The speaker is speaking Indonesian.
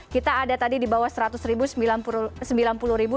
kita ada tadi di bawah seratus ribu sembilan puluh ribu